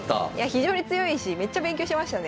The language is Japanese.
非常に強いしめっちゃ勉強しましたね。